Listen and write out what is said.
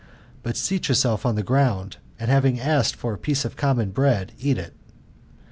But seat yourself on the ground, and having asked for a piece of common bread, eat it.